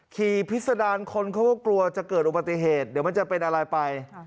พิษดารคนเขาก็กลัวจะเกิดอุบัติเหตุเดี๋ยวมันจะเป็นอะไรไป